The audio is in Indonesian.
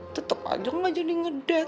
tetep aja nggak jadi ngedan